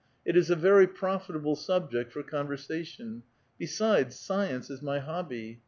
It is a very profitable subject for conversation ; besides, science is my hobby.